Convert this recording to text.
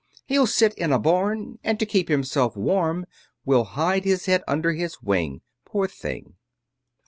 He'll sit in a barn, And to keep himself warm, Will hide his head under his wing, Poor thing!